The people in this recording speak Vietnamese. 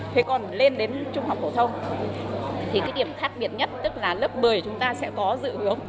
thế còn lên đến trung học phổ thông thì cái điểm khác biệt nhất tức là lớp một mươi chúng ta sẽ có dự hướng